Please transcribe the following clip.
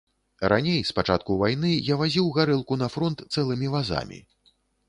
Раней, з пачатку вайны, я вазіў гарэлку на фронт цэлымі вазамі.